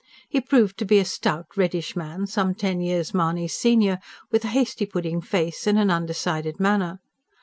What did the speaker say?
He proved to be a stout, reddish man, some ten years Mahony's senior, with a hasty pudding face and an undecided manner.